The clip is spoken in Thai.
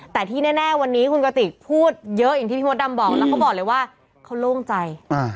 แต่ที่แน่วันนี้คุณกติกพูดเยอะอย่างที่พี่มดดำบอกแล้วเขาบอกเลยว่าเขาโล่งใจ